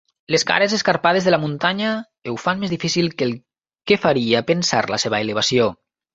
Les cares escarpades de la muntanya ho fan més difícil que el que faria pensar la seva elevació.